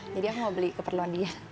jadi aku mau beli keperluan dia